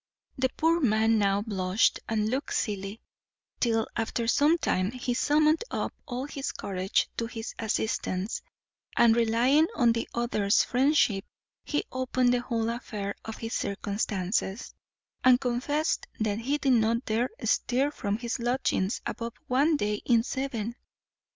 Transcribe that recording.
The poor man now blushed and looked silly, till, after some time, he summoned up all his courage to his assistance, and relying on the other's friendship, he opened the whole affair of his circumstances, and confessed that he did not dare stir from his lodgings above one day in seven.